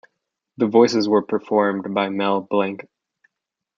The voices were performed by Mel Blanc.